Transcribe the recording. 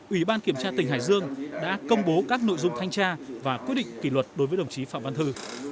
ủy ban kiểm tra tỉnh hải dương đã công bố các nội dung thanh tra và quyết định kỷ luật đối với đồng chí phạm văn thư